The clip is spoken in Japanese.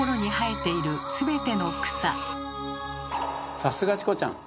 さすがチコちゃん！